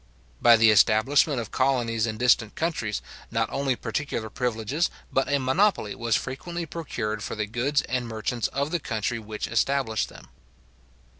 By the establishment of colonies in distant countries, not only particular privileges, but a monopoly was frequently procured for the goods and merchants of the country which established them.